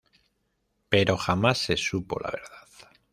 Pero jamás se supo la verdad.